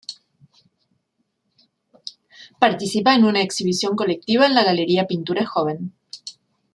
Participa en una exhibición colectiva en la galería Pintura Joven.